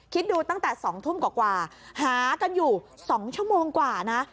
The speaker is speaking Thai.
คิดดูตั้งแต่๒ทุ่มกว่าหากันอยู่๒ชั่วโมงกว่านะ